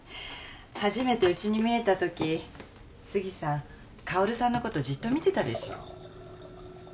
初めてうちにみえた時杉さん香さんのことじっと見てたでしょ？